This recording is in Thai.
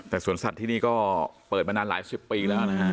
แต่สวนสัตว์ที่นี่ก็เปิดมานานหลายสิบปีแล้วนะฮะ